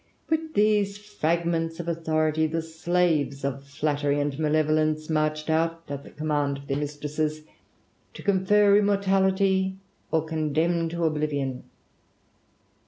With these fragments of authority, the slaves of Flattery and Malevolence marched out, at the com mand of their mistresses, to confer immortality, or condemn to oblivion.